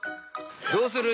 どうする？